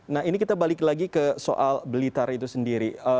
nah ini kita balik lagi ke soal blitar itu sendiri